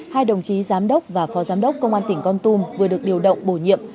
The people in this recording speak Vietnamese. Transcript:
hai đồng chí giám đốc và phó giám đốc công an tỉnh con tum vừa được điều động bổ nhiệm